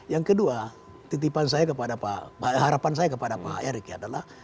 yang kedua titipan saya kepada harapan saya kepada pak erick adalah